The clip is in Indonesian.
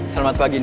selamat pagi nin